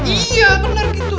iya bener gitu